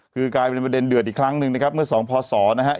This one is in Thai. คือกลายเป็นประเด็นเดือดอีกครั้งหนึ่งนะครับเมื่อสองพศนะฮะ